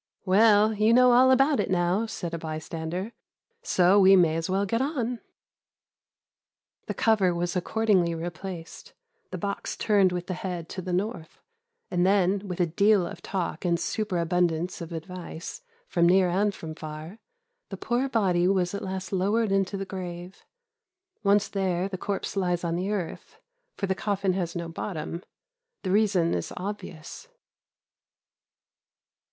"'Well, you know all about it now,' said a bystander, 'so we may as well get on.' "The cover was accordingly replaced, the box turned with the head to the north, and then, with a deal of talk and superabundance of advice, from near and from far, the poor body was at last lowered into the grave. Once there the corpse lies on the earth, for the coffin has no bottom. The reason is obvious.